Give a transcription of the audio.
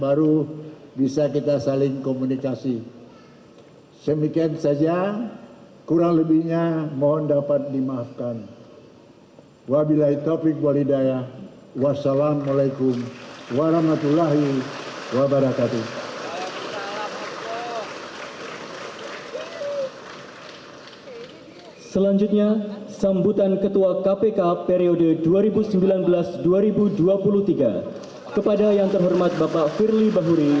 assalamualaikum warahmatullahi wabarakatuh